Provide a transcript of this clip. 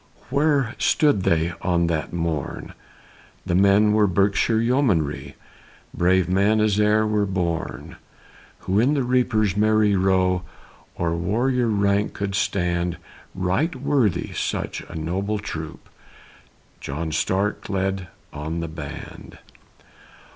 Where stood they on that morn? The men were Berkshire yeomanry, Brave men as e'er were born, Who in the reaper's merry row Or warrior rank could stand Right worthy such a noble troop, John Stark led on the band.